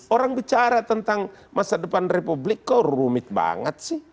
orang bicara tentang masa depan republik kok rumit banget sih